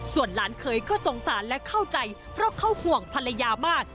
ส่วนหลานเคยก็สงสารและเข้าใจเพราะเขาห่วงภรรยามาก